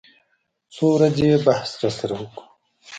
څو ورځې يې بحث راسره وکو.